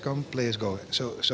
dan juga pemain di atas